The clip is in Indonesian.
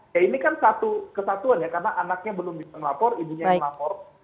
ya ini kan satu kesatuan ya karena anaknya belum bisa melapor ibunya yang melapor